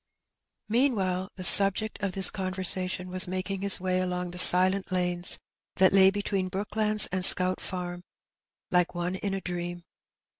'* Meanwhile the subject of this conversation was making his way along the silent lanes that lay between Brooklands and Scout Farm like one in a dream.